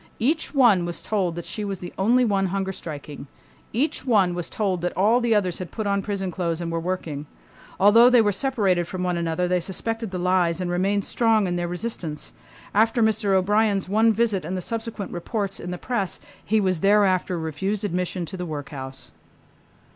Each one was told that she was the only one hunger striking. Each one was told that all the others had put on prison clothes and were working. Although they were separated from one another they suspected the lies and remained strong in their resistance. After Mr. O'Brien's one visit and the subsequent reports in the press he was thereafter refused admission to the workhouse.